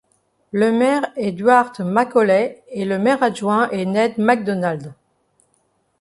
Le maire est Duart MacAulay et le maire adjoint est Ned MacDonald.